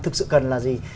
thực sự cần là gì